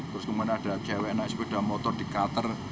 terus kemudian ada cwn motor di kater